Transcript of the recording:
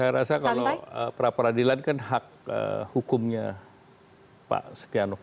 saya rasa kalau pra peradilan kan hak hukumnya pak setia novanto